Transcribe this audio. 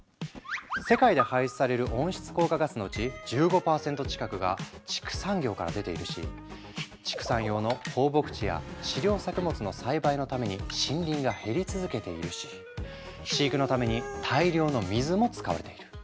世界で排出される温室効果ガスのうち１５％近くが畜産業から出ているし畜産用の放牧地や飼料作物の栽培のために森林が減り続けているし飼育のために大量の水も使われている。